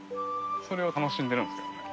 それを楽しんでるんですけどね。